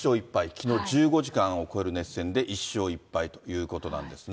きのう１５時間を超える熱戦で、１勝１敗ということなんですね。